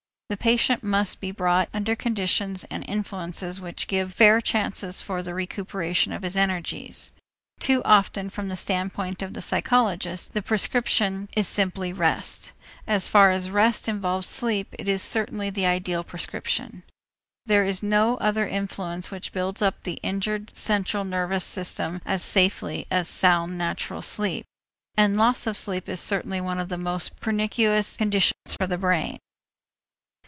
The patient must be brought under conditions and influences which give fair chances for the recuperation of his energies. Too often from the standpoint of the psychologist, the prescription is simply rest. As far as rest involves sleep, it is certainly the ideal prescription. There is no other influence which builds up the injured central nervous system as safely as sound natural sleep, and loss of sleep is certainly one of the most pernicious conditions for the brain.